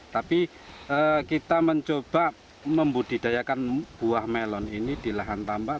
tapi kita mencoba membudidayakan buah melon ini di lahan tambak